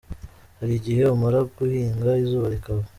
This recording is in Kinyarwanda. Hari igihe umara guhinga izuba rikava.